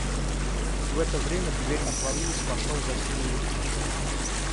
В это время дверь отворилась, вошел Василий Лукич.